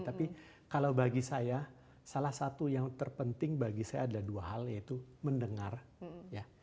tapi kalau bagi saya salah satu yang terpenting bagi saya adalah dua hal yaitu mendengar ya